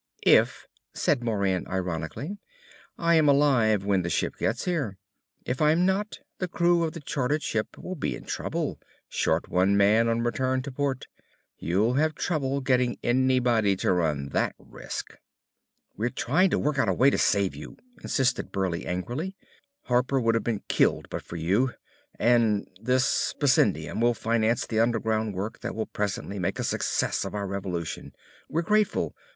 "If," said Moran ironically, "I am alive when the ship gets here. If I'm not, the crew of the chartered ship will be in trouble, short one man on return to port. You'll have trouble getting anybody to run that risk!" "We're trying to work out a way to save you!" insisted Burleigh angrily. "Harper would have been killed but for you. And this bessendium will finance the underground work that will presently make a success of our revolution. We're grateful!